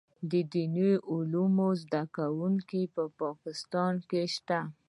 دیني علومو زده کوونکي په پاکستان کې شته.